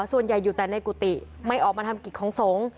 ส่วนใหญ่อยู่แต่ในกุฏิไม่ออกมาทำกิจของสงฆ์